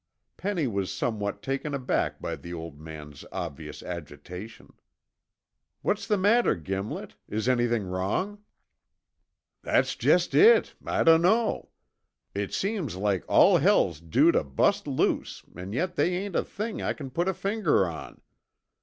Penny was somewhat taken aback by the old man's obvious agitation. "What's the matter, Gimlet? Is anything wrong?" "That's jest it, I dunno. It seems like all hell's due tuh bust loose an' yet they ain't a thing I c'n put a finger on.